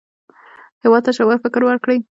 هېواد ته ژور فکر ورکړئ